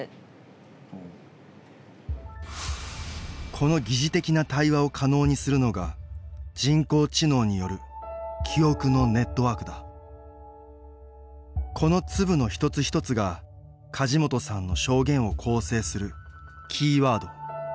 この疑似的な対話を可能にするのが人工知能によるこの粒の一つ一つが梶本さんの証言を構成する「キーワード」。